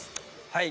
はい。